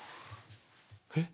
⁉えっ？